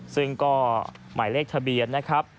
ซึ่งก็หมายเลขทะเบียนนะครับ